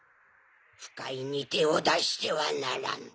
腐海に手を出してはならん。